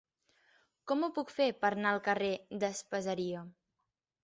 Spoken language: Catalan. Com ho puc fer per anar al carrer d'Espaseria?